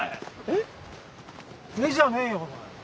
えっじゃねえよお前。